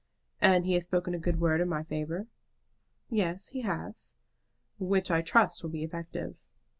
"And he has spoken a good word in my favor?" "Yes, he has." "Which I trust will be effective."